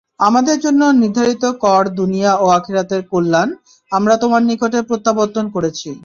আমাদের জন্য নির্ধারিত কর দুনিয়া ও আখিরাতের কল্যাণ, আমরা তোমার নিকট প্রত্যাবর্তন করেছি।